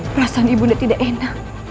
perasaan ibu nda tidak enak